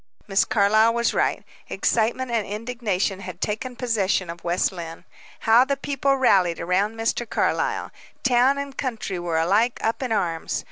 Miss Carlyle was right. Excitement and indignation had taken possession of West Lynne. How the people rallied around Mr. Carlyle! Town and country were alike up in arms.